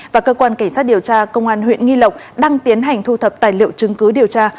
và cơ quan cảnh sát điều tra công an huyện nghi lộc đang tiến hành thu thập tài liệu chứng cứ điều tra